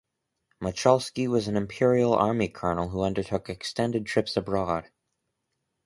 Motschulsky was an Imperial Army colonel who undertook extended trips abroad.